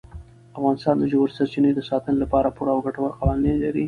افغانستان د ژورې سرچینې د ساتنې لپاره پوره او ګټور قوانین لري.